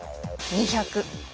２００。